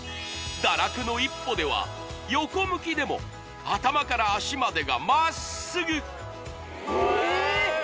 堕落の一歩では横向きでも頭から足までがまっすぐえっ！